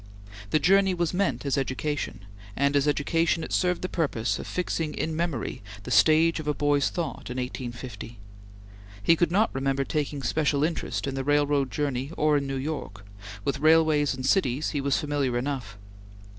The journey was meant as education, and as education it served the purpose of fixing in memory the stage of a boy's thought in 1850. He could not remember taking special interest in the railroad journey or in New York; with railways and cities he was familiar enough.